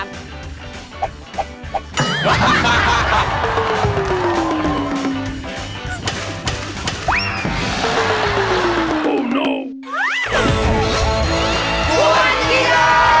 วันกี่โน้น